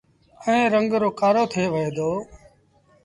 ائيٚݩ رنگ رو ڪآرو ٿئي وهي دو۔